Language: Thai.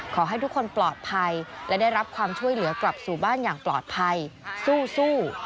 ขอให้ทุกคนปลอดภัยและได้รับความช่วยเหลือกลับสู่บ้านอย่างปลอดภัยสู้